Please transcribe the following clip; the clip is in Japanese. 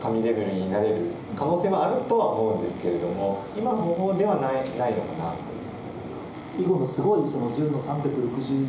今の方法ではないのかなという。